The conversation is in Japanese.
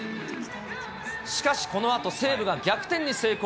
しかし、このあと西武が逆転に成功。